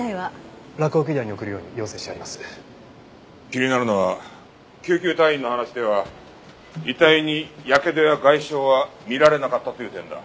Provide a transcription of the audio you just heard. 気になるのは救急隊員の話では遺体にやけどや外傷は見られなかったという点だ。